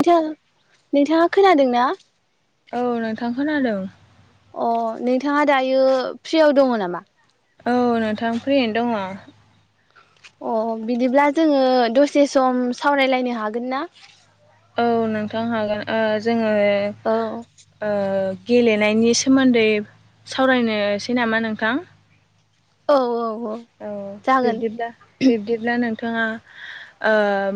[unintelligible] नोंथांङा खोनादोंना? औ नोंथां खोनादों। अ नोंथाङा दायो फ्रियाव दङ नामा? औ नोंथां फ्रियैनो दङ अ बिदिब्ला जोङो दसे सम सावरायलायनो हागोन ना? औ नोंथां हागोन ओ जोङो औ ओ गेलेनायनि सोमोन्दै सावरायनोसै नामा नोंथां? औ औ औ जागोन बिब्दिब्ला बिब्दिब्ला नोंथाङा ओ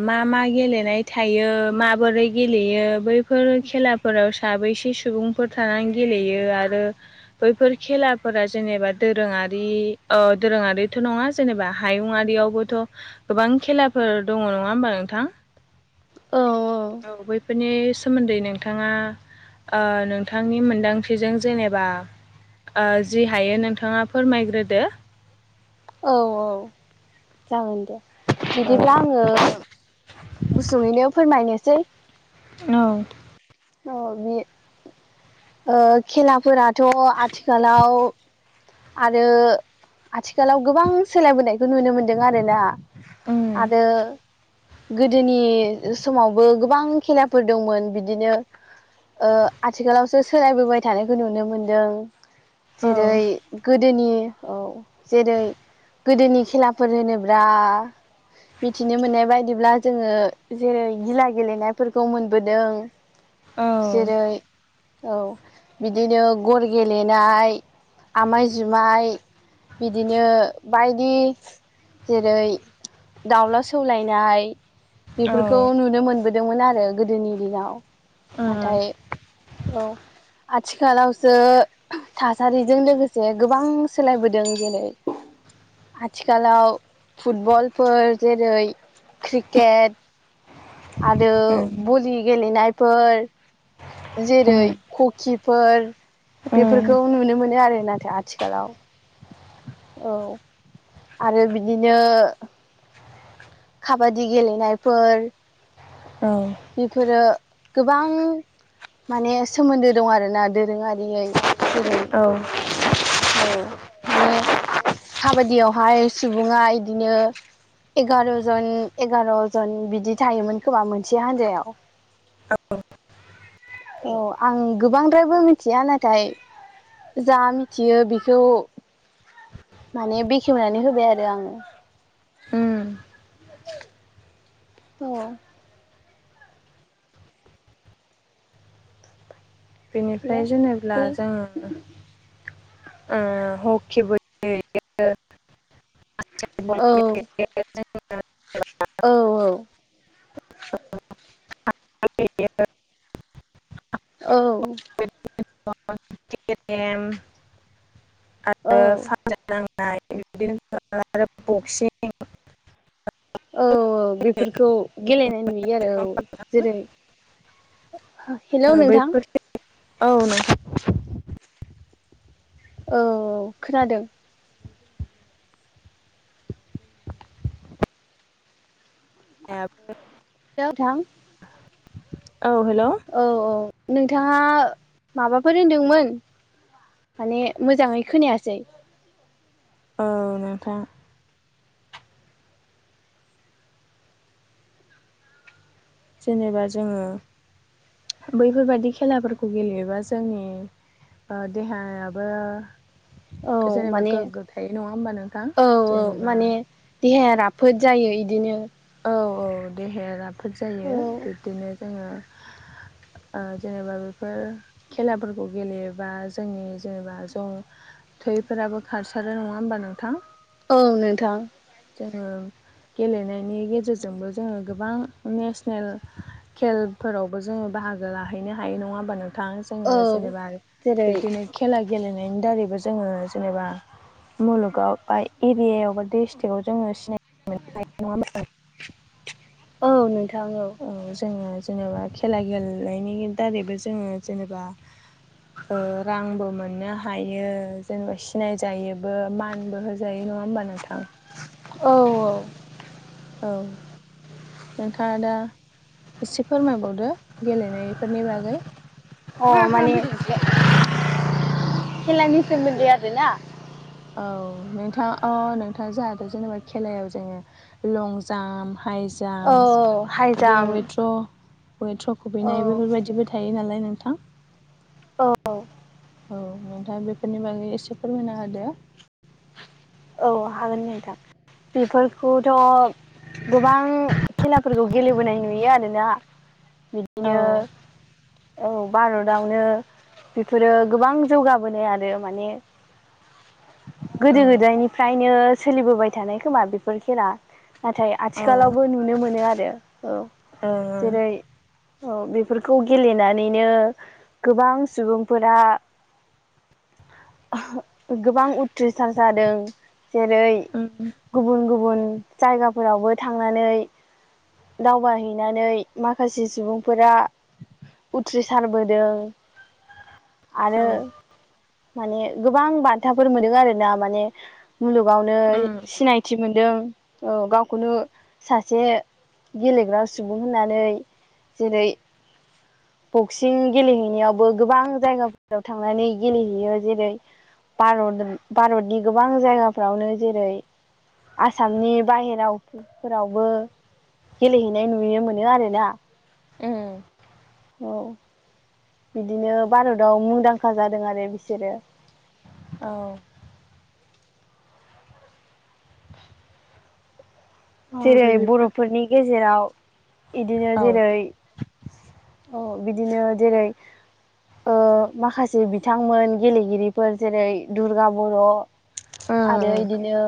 मा मा गेलेनाय थायो माबोरै गेलेयो बैफोर खेलाफोराव साबैसे सुबुंफोर थानानै गेलेयो आरो बैफोर खेलाफोरा जेनेबा दोरों आरि औ दोरोङारि थ' नङा जेनेबा हायुंआरियावबोथ' गोबां खेलाफोर दङ नङा होमबा नोंथां औ औ औ बैफोरनि सोमोन्दै नोंथाङा आ नोंथांनि मोनदांथिजों जेनेबा आ जि हायो नोंथाङा फोरमायग्रोदो औ औ जागोन दे औ बिदिब्ला आङो गुसुङैनो फोरमायनोसै औ औ बे ओ खेलाफोराथ' आथिखालाव आरो आथिखालाव गोबां सोलायबोनायखौ नुनो मोनदों आरोना उम आरो गोदोनि समावबो गोबां खेलाफोर दंमोन बिदिनो ओ आथिखालावसो सोलायबोबाय थानायखौ नुनो मोनदों औ जेरै गोदोनि औ जेरै गोदोनि खेलाफोर होनोब्ला मिथिनो मोननाय बायदिब्ला जोङो जेरै गिला गेलेनायफोरखौ मोनबोदों औ जेरै औ बिदिनो गर गेलेनाय आमाय जुमाय बिदिनो बायदि जेरै दाउला सौलायनाय बेफोरखौ नुनो मोनबोदोंमोन आरो गोदोनि दिनाव उम नाथाय औ आथिखालावसो थासारिजों लोगोसे गोबां सोलायबोदों जेरै आथिखालाव फुटबलफोर, जेरै क्रिकेट, आरो बलि गेलेनायफोर जेरै हकि फोर उम बेफोरखौ नुनो मोनो आरो नाथाय आथिखालाव औ आरो बिदिनो खाबादि गेलेनायफोर उम बेफोरो गोबां माने सोमोन्दो दं आरो ना दोरोङारियै जेरै औ माने खाबादियावहाय सुबुङा इदिनो एगार' जन एगार' जन बिदि थायोमोन खोमा मोन से हानजायाव औ आं गोबांद्रायबो मिथिया नाथाय जा मिथियो बेखौ। माने बेखेवनानै होबाय आरो आङो। उम औ। बेनिफ्राय हेल' जेनेब्ला हेल' जोङो। ह'किबो गेलेयो। औ [unintelligible] औ औ। [unintelligible] औ। औ [unintelligible] [unintelligible] औ औ बेफोरखौ गेलेनाय नुयो आरो औ जेरै। हेलौ नोंथां बैफोर औ नोंगौ। औ खोनादों। [unintelligible] [unintelligible] हेलौ औ औ नोंथाङा माबाफोर होनदोंमोन? माने मोजाङै खोनायासै। औ नोंथां। जेनेबा जोङो। बैफोरबादि खेलाफोरखौ गेलेयोबा जोंनि। देहायाबो। औ जेनेबा माने गोग्गो थाय नङा होमबा नोंथां औ औ जेनेबा। माने देहाया राफोद जायो इदिनो। औ औ देहाया राफोद जायो औ बिब्दिनो जोङो। जेनेबा बेफोर खेलाफोरखौ गेलेयोबा जोंनि जेनेबा ज'। थैफोराबो खारसारो नङा होमबा नोंथां। औ नोंथां जोङो गेलेनायनि गेजेरजोंबो जोङो गोबां। खेलफोरावबो जोङो बाहागो लाहैनो हायो नङा होमबा नोंथां। औ जोङो जेनेबा जेरै बिदिनो खेला गेलेनायनि दारैबो। जोंङो जेनेबा मुलुगाव बा एरय बा स्टकआव जो सिनाय। औ नोंथां [unintelligible] औ जोङो जेनेबा खेला गेलेनायनि दारैबो जोङो जेनेबा रांबो मोननो हायो। नङा होमबा नोंथां। औ औ। औ। नोंथाङा दा एसे फोरमाय। अ माने खेलानि सोमोन्दै आरो ना। औ नोंथाङा अ नोंथाङा जोंहाथ' जेनेबा खेलायाव जोङो लं जाम्प। हाइ औ औ हाइ जाम्प बिदिनो जाम्प वेट्र'। कयेथ्र औ खुबैनाय बेफोरबायदिबो थायो नालाय नोंथां। औ। औ नोंथाङा बेफोरनि बागै एसे फोरमायना होदो। औ हागोन नेदा बेफोरखौथ'। गोबां खेलाफोरखौ गेलेबोनाय नुयो आरोना। बिदिनो औ। औ भारतआवनो। बेफोरो गोबां जौगाबोनो आरो माने औ गोदो गोदायनिफ्रायनो सोलिबोबाय थानाय खोमा बेफोर खेला नाथाय आथिखालावबो औ नुनो मोनो आरो औ ओ जेरै औ बेफोरखौ गेलेनानैनो गोबां सुबुंफोरा गोबां उथ्रिसार जादों - जेरै उम गुबुन गुबुन जायगाफोरावबो थांनानै दावबाहैनानै माखासे सुबुंफोरा उथ्रिसारबोदों आरो औ माने गोबां बान्थाफोर मोनो आरो ना माने मुलुगावनो उम सिनायथि मोन दों औ गावखौनो सासे गेलेग्रा सुबुं होननानै जेरै बक्सिं गेलेहैनायावबो गोबां जायगाफोराव थांनानै गेलेहैयो जेरै भारदोब भारतनि गोबां जायगाफ्रावनो जेरै आसामनि बाहेराव फोरावबो गेलेहैनाय नुयो मोनो आरोना उम औ बिदिनो भारताव मुंदांखा जादों आरो बिसोरो औ औ जेरै बेनिफ्राय बरफोरनि गेजेराव इदिनो औ जेरै अ बिदिनो जेरै ओ माखासे बिथांमोन गेलेगिरिफोर जेरै दुर्गा बर आरो उम इदिनो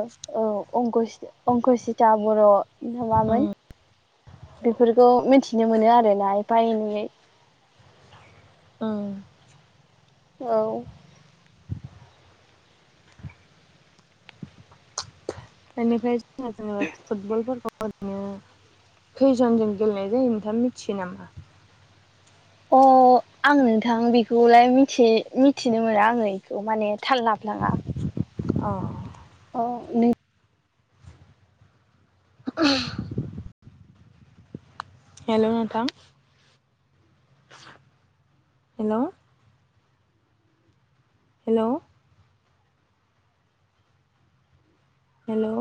ओ अंकुस अंकुसिता बर उम नङामोन बेफोरखौ मिथिनो मोनो आरोना एफा एनैयै औ औ बेनिफ्राय जो जेनेबा फुटबलफोरखौ ओरैनो खैजनजों गेलेनाय जायो नोंथाङा मिथियो नामा? अ आं नोंथां बेखौहाय मिथि मिथिनो मोना आङो बेखौ माने थाललाफ्लाङा औ औ नों [inaudible] हेलौ नोंथां हेलौ हेलौ हेलौ